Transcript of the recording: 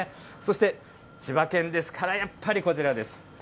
そして千葉県ですから、やっぱりこちらです。